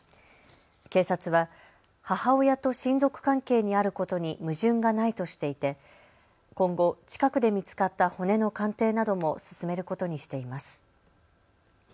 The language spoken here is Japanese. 警察は母親と親族関係にあることに矛盾がないとしていて今後、近くで見つかった骨の鑑定なども進めることにしています。